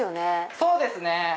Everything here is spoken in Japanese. そうですね。